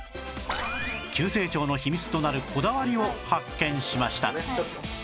急成長の秘密となるこだわりを発見しました